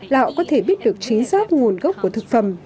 là họ có thể biết được chính xác nguồn gốc của thực phẩm